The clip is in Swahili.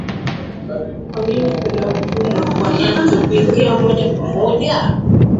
kwa nini kuna ugumu kwa nato kuingia moja kwa moja